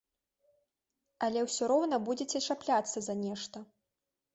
Але ўсё роўна будзеце чапляцца за нешта.